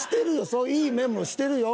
そういい面もしてるよ。